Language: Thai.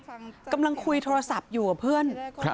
กระสุนเผงซะคุยโทรศัพท์อยู่เหรอเพื่อน